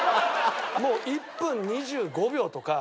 もう１分２５秒とか。